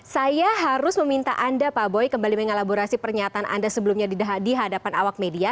saya harus meminta anda pak boy kembali mengelaborasi pernyataan anda sebelumnya di hadapan awak media